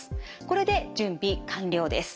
これで準備完了です。